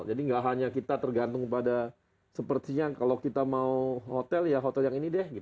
jadi nggak hanya kita tergantung pada sepertinya kalau kita mau hotel ya hotel yang ini deh